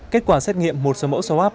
kết quả xét nghiệm một số mẫu swab